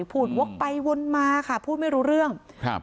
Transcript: วกไปวนมาค่ะพูดไม่รู้เรื่องครับ